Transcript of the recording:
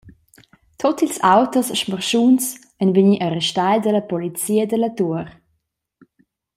Tut ils auters smarschuns ein vegni arrestai dalla polizia dalla tuor.